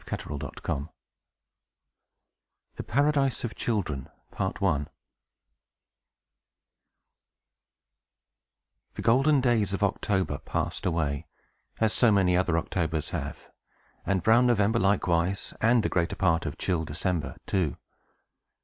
INTRODUCTORY TO THE PARADISE OF CHILDREN The golden days of October passed away, as so many other Octobers have, and brown November likewise, and the greater part of chill December, too.